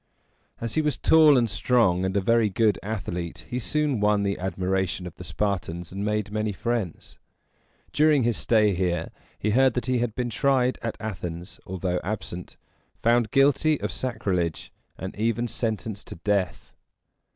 As he was tall and strong, and a very good athlete, he soon won the admiration of the Spartans, and made many friends. During his stay here, he heard that he had been tried at Athens, although absent, found guilty of sacrilege, and even sentenced to death.